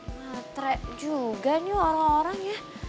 matrek juga nih orang orangnya